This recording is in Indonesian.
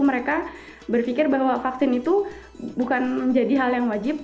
mereka berpikir bahwa vaksin itu bukan menjadi hal yang wajib